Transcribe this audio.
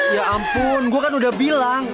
ya ampun gue kan udah bilang